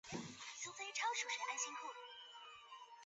琴形管巢蛛为管巢蛛科管巢蛛属的动物。